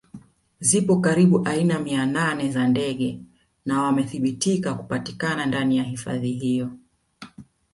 Zipo karibu aina mia nne za ndege na wamethibitika kupatikana ndani ya hifadhi hiyo